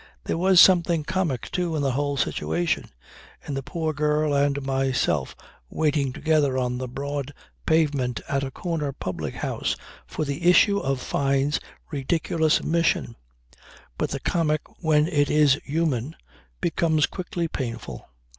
There was something comic too in the whole situation, in the poor girl and myself waiting together on the broad pavement at a corner public house for the issue of Fyne's ridiculous mission. But the comic when it is human becomes quickly painful.